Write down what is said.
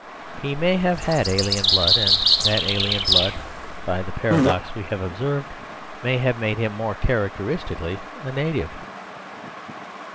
He may have had alien blood, and that alien blood, by the paradox we have observed, may have made him more characteristically a native.